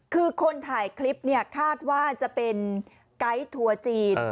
คือคนถ่ายคลิปเนี่ยคาดว่าจะเป็นไกด์ทัวร์จีน